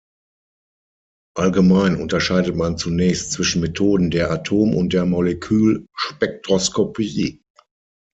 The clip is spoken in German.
Allgemein unterscheidet man zunächst zwischen Methoden der Atom- und der Molekülspektroskopie.